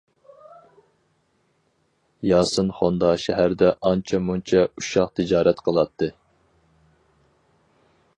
ياسىن خوندا شەھەردە ئانچە مۇنچە ئۇششاق تىجارەت قىلاتتى.